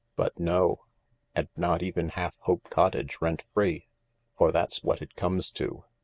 But no ! And not even half Hope Cottage, rent free, for that's what it comes to.